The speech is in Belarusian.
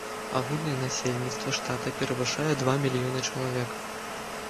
Агульнае насельніцтва штата перавышае два мільёны чалавек.